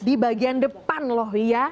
di bagian depan loh iya